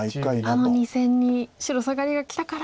あの２線に白サガリがきたから。